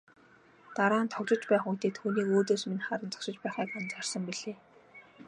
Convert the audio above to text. Дараа нь тоглож байх үедээ түүнийг өөдөөс минь харан зогсож байхыг анзаарсан билээ.